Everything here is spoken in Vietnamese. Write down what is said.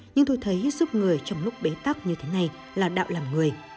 nhưng tôi thấy giúp người trong lúc bế tắc như thế này là đạo làm người